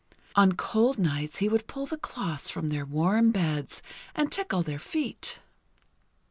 On cold nights he would pull the clothes from their warm beds and tickle their feet.